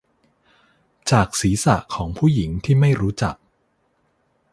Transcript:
จากศีรษะของผู้หญิงที่ไม่รู้จัก